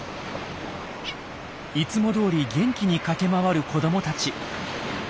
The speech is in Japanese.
いつもどおり元気に駆け回る子どもたち。